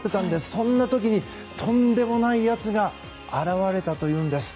そんな時に、とんでもないやつが現れたというんです。